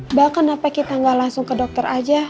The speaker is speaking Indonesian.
mbak kenapa kita nggak langsung ke dokter aja